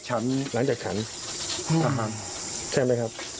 ใช่ไหมครับ